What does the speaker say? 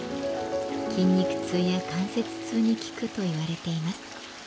筋肉痛や関節痛に効くといわれています。